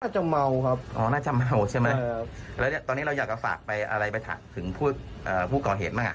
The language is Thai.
จะเมาครับอ๋อน่าจะเมาใช่ไหมแล้วตอนนี้เราอยากจะฝากไปอะไรไปถึงผู้ก่อเหตุบ้าง